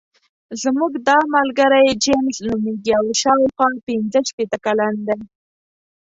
زموږ دا ملګری جیمز نومېږي او شاوخوا پنځه شپېته کلن دی.